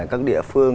các địa phương